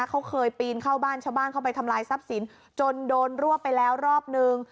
เขาเคยปีนเข้าบ้านชาวบ้านเข้าไปทำลายทรัพย์สินจนโดนรวบไปแล้วรอบนึง